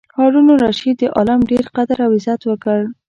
هارون الرشید د عالم ډېر قدر او عزت وکړ.